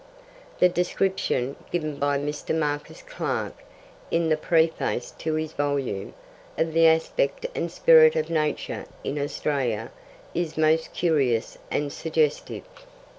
The description, given by Mr. Marcus Clarke in the preface to this volume, of the aspect and spirit of Nature in Australia is most curious and suggestive.